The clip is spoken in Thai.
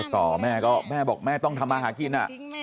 ต่อแม่ก็แม่บอกแม่ต้องทำมาหากิน